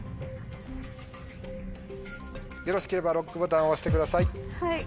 よろしければＬＯＣＫボタンを押してください。